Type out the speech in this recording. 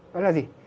đó là gì